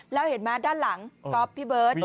แล้วเห็นไหมด้านหลังก๊อฟพี่เบิร์ต